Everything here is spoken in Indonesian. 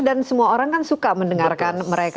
dan semua orang kan suka mendengarkan mereka